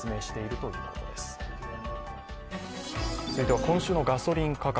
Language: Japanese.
続いては、今週のガソリン価格。